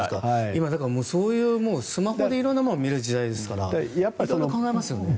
今、そういうスマホで色んなものが見れる時代ですから色々考えますよね。